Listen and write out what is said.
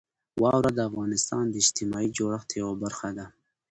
واوره د افغانستان د اجتماعي جوړښت یوه برخه ده.